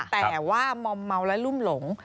แต่ว่ามอมเมาและรุ่มหลง